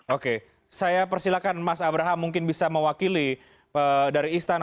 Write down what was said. oke saya persilahkan mas abraham mungkin bisa mewakili dari istana